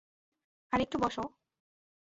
আর একটু বস।